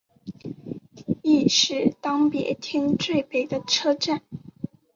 亦是当别町最北的车站。